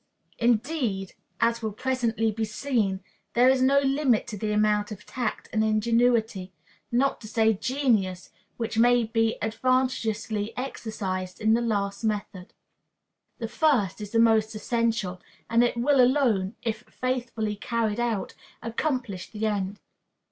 Indeed, as will presently be seen, there is no limit to the amount of tact and ingenuity, not to say genius, which may be advantageously exercised in the last method. The first is the most essential; and it will alone, if faithfully carried out, accomplish the end.